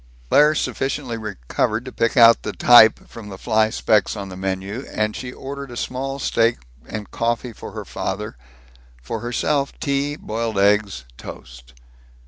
Claire sufficiently recovered to pick out the type from the fly specks on the menu, and she ordered a small steak and coffee for her father; for herself tea, boiled eggs, toast.